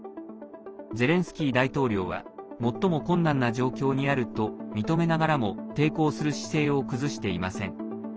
ゼレンスキー大統領は最も困難な状況にあると認めながらも抵抗する姿勢を崩していません。